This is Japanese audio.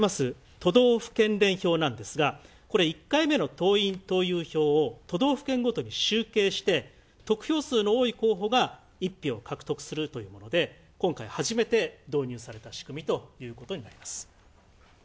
都道府県連票なんですが１回目の党員・党友票を都道府県ごとに集計して得票数の多い候補が１票獲得するというので今回、初めて導入された仕組みということになります。